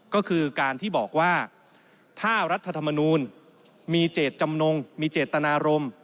ก็คือการที่บอกว่าถ้ารัฐธรรมนูลมีเจตจำนงมีเจตนารมณ์